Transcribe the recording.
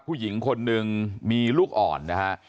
ผู้หญิงคนหนึ่งมีลูกอ่อนนะฮะ